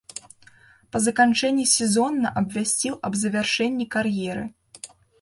Па заканчэнні сезона абвясціў аб завяршэнні кар'еры.